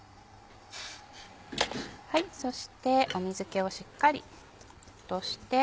そして水気をしっかり落として。